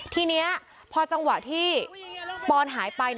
ทีนี้พอจังหวะที่ปอนหายไป